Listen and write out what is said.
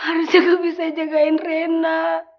harusnya gue bisa jagain rena